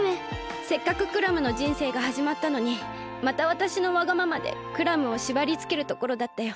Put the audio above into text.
せっかくクラムのじんせいがはじまったのにまたわたしのわがままでクラムをしばりつけるところだったよ。